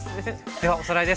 ではおさらいです。